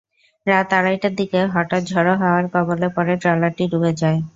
রাত আড়াইটার দিকে হঠাৎ ঝোড়ো হাওয়ার কবলে পড়ে ট্রলারটি ডুবে যায়।